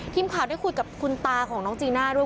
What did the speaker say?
ทีมข่าวได้คุยกับคุณตาของน้องจีน่าด้วย